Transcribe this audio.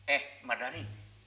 eh mbak dari